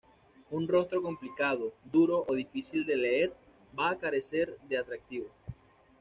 Un rostro complicado, duro, o difícil de leer, va a carecer de atractivo.